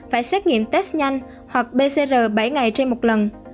phải xét nghiệm test nhanh hoặc pcr bảy ngày trên một lần